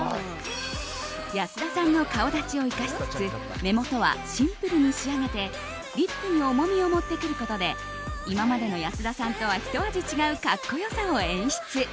安田さんの顔立ちを生かしつつ目元はシンプルに仕上げてリップに重みを持ってくることで今までの安田さんとはひと味違う格好良さを演出！